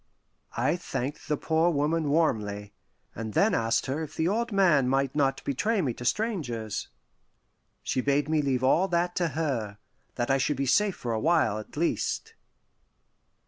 I thanked the poor woman warmly, and then asked her if the old man might not betray me to strangers. She bade me leave all that to her that I should be safe for a while, at least.